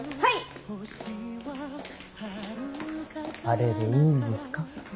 あれでいいんですか？